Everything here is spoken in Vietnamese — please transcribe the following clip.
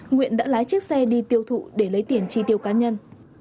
nguyễn đã lái chiếc xe đi tiêu thụ để lấy tiền chi tiêu cá nhân